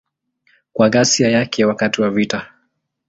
Kwa ghasia yake wakati wa vita.